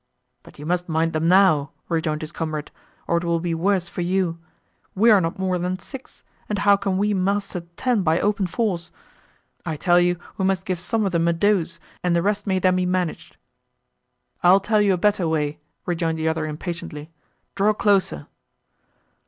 "But you must mind them now," rejoined his comrade, "or it will be worse for you. We are not more than six, and how can we master ten by open force? I tell you we must give some of them a dose, and the rest may then be managed." "I'll tell you a better way," rejoined the other impatiently, "draw closer."